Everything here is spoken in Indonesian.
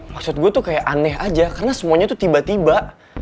maksud gue tuh kayak aneh aja karena semuanya tuh tiba tiba